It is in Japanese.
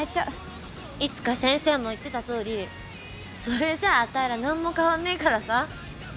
いつか先生も言ってたとおりそれじゃあたいら何も変わんねえからさ。